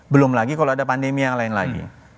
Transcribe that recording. belum lagi kalau ada pandemi yang lain lagi